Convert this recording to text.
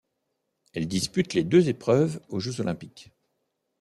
Elle dispute les deux épreuves aux Jeux olympiques.